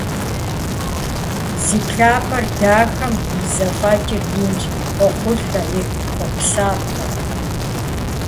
Зи плъапӏэр дахэм и зэфӏэкӏри инщ – къохъулӏэ и хъуэпсапӏэр…